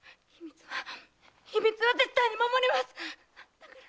秘密は絶対に守ります！